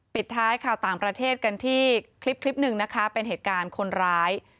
ปิดท้ายข่าวต่างประเทศกันที่คลิปคลิปหนึ่งนะคะเป็นเหตุการณ์คนร้าย